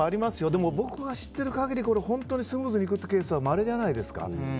でも、僕が知っている限り本当にスムーズにいくケースはまれじゃないですか。